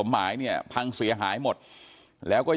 พันให้หมดตั้ง๓คนเลยพันให้หมดตั้ง๓คนเลย